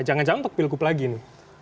jangan jangan untuk pilgub lagi nih